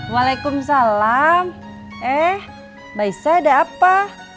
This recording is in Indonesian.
waalaikumsalam eh baise ada apa